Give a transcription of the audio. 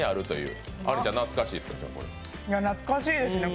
懐かしいですね